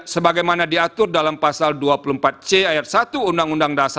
sebagaimana diatur dalam pasal dua puluh empat c ayat satu undang undang dasar seribu sembilan ratus empat puluh lima